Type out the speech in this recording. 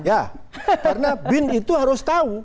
ya karena bin itu harus tahu